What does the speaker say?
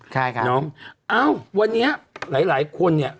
ใช่ครับน้องเอ้าวันนี้หลายหลายคนเนี่ย